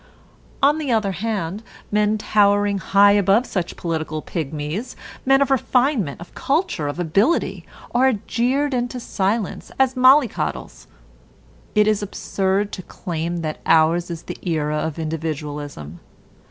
On the other hand, men towering high above such political pygmies, men of refinement, of culture, of ability, are jeered into silence as mollycoddles. It is absurd to claim that ours is the era of individualism.